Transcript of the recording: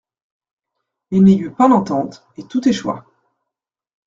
Il n'y eut pas d'entente, et tout échoua.